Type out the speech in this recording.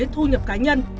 thu nhập cá nhân